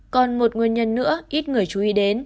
còn một nguyên nhân nữa ít người chú ý đến